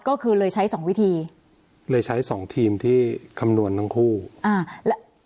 ก็คือเลยใช้สองวิธีเลยใช้สองทีมที่คำนวณทั้งคู่อ่าแล้ว